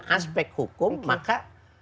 aspek hukum maka